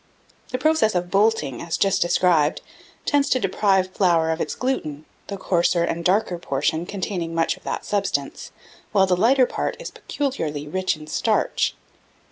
The process of bolting, as just described, tends to deprive flour of its gluten, the coarser and darker portion containing much of that substance; while the lighter part is peculiarly rich in starch.